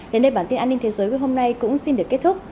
đến đây bản tin an ninh thế giới của hôm nay cũng xin được kết thúc